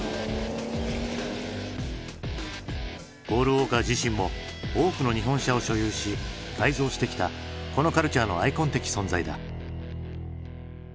ポール・ウォーカー自身も多くの日本車を所有し改造してきたこのカルチャーのアイコン的存在だ。